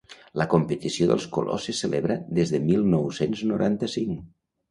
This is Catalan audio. La competició dels Colors se celebra des de mil nou-cents noranta-cinc.